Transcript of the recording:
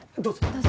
どうぞ。